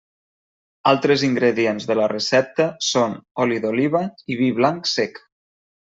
Altres ingredients de la recepta són oli d'oliva i vi blanc sec.